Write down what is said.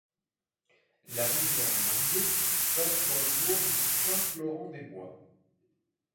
La rivière Marillet passe dans le bourg de Saint-Florent-des-Bois.